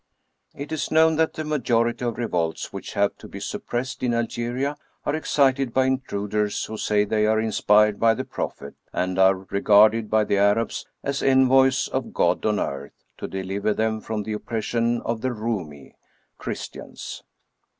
It is known that the majority of revolts which have to be suppressed in Algeria are excited by intriguers, who say they are inspired by the Prophet, and are regarded by the Arabs as envoys of God on earth to deliver them from the oppression of the Roumi (Christians).